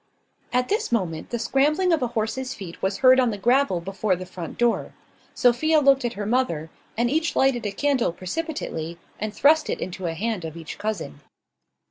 At this moment, the scrambling of a horse's feet was heard on the gravel before the front door. Sophia looked at her mother, and each lighted a candle precipitately, and thrust it into a hand of each cousin.